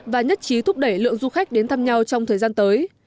và nhất trí thúc đẩy lượng du khách đến thăm nhau trong thời gian tới